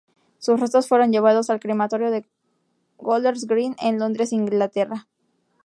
Sus restos fueron llevados al Crematorio de Golders Green en Londres, Inglaterra.